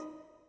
ya ya gak